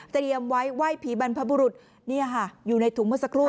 เตรียมไว้ไหว้ผีบรรพบุรุษอยู่ในถุงเมื่อสักครู่